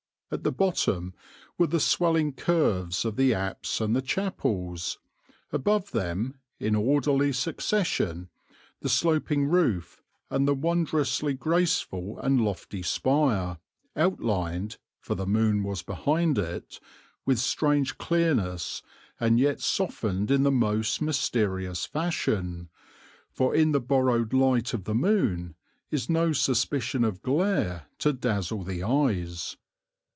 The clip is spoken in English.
At the bottom were the swelling curves of the apse and the chapels, above them, in orderly succession, the sloping roof and the wondrously graceful and lofty spire, outlined for the moon was behind it with strange clearness and yet softened in the most mysterious fashion, for in the borrowed light of the moon is no suspicion of glare to dazzle the eyes.